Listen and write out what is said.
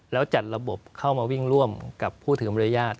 แล้วจัดระบบเข้ามาวิ่งร่วมกับผู้ถือมารยาท